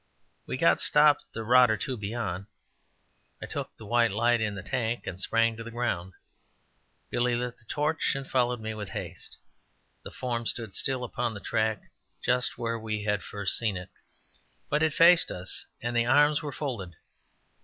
We got stopped a rod or two beyond. I took the white light in the tank and sprang to the ground. Billy lit the torch, and followed me with haste. The form still stood upon the track just where we had first seen it; but it faced us and the arms were folded.